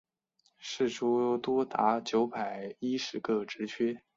释出多达九百一十个职缺